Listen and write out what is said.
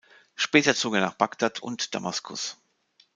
Später zog er nach Bagdad und Damaskus.